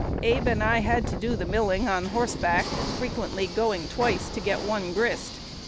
Abe and I had to do the milling on horseback, frequently going twice to get one grist.